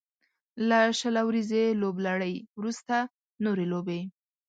له شل اوريزې لوبلړۍ وروسته نورې لوبې